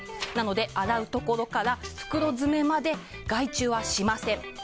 なので洗うところから袋詰めまで外注はしません。